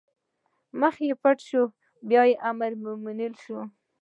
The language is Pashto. مخ يې پټ شي بيا امرالمومنين شي